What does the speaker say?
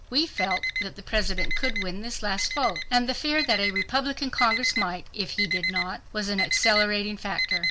We felt that the President could win this last vote. And the fear that a Republican Congress might, if he did not, was an accelerating factor.